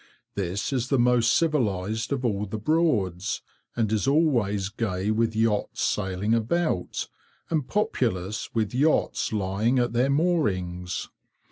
This is the most civilized of all the Broads, and is always gay with yachts sailing about, and populous with yachts lying at their moorings.